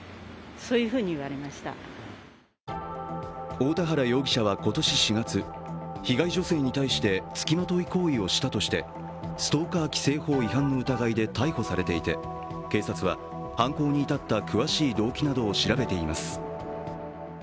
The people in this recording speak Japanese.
大田原容疑者は今年４月、被害女性に対してつきまとい行為をしたとしてストーカー規制法違反の疑いで逮捕されていて警察は犯行に至った詳しい動機などを調べています。